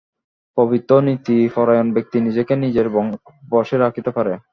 পবিত্র ও নীতিপরায়ণ ব্যক্তি নিজেকে নিজের বশে রাখিতে পারে।